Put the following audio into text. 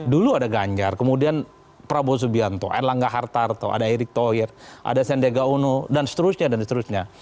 dulu ada ganjar kemudian prabowo subianto erlangga hartarto ada erick thohir ada sendega uno dan seterusnya dan seterusnya